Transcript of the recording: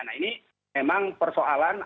nah ini memang persoalan